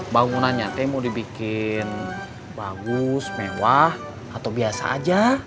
bangunannya teh mau dibikin bagus mewah atau biasa aja